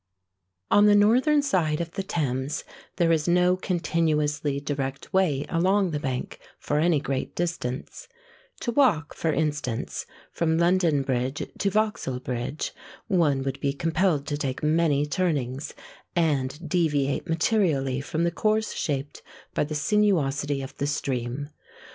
On the northern side of the Thames there is no continuously direct way along the bank for any great distance: to walk, for instance, from London Bridge to Vauxhall Bridge, one would be compelled to take many turnings, and deviate materially from the course shaped by the sinuosity of the stream.